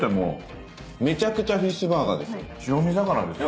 白身魚ですよ。